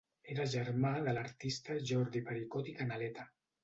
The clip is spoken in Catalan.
Era germà de l'artista Jordi Pericot i Canaleta.